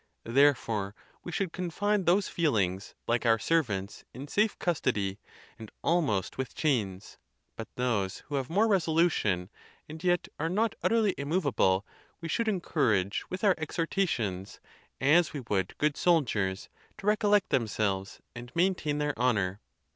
Therefore, we should confine those feelings, like our servants, in safe custody, and almost with ghains. But those who have more resolution, and yet are not utterly immovable, we should encourage with our exhortations, as we would good soldiers, to recollect themselves, and maintain their honor.